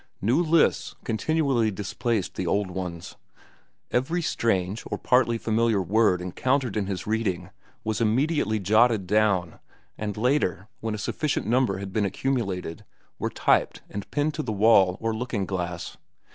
New lists continually displaced the old ones. Every strange or partly familiar word encountered in his reading was immediately jotted down, and later, when a sufficient number had been accumulated, were typed and pinned to the wall or looking glass.